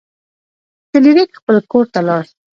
فلیریک خپل کور ته لاړ.